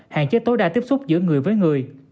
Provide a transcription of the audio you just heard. hạn chế tối đa tiếp xúc giữa người với người